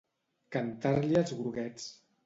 Cantar-li els groguets.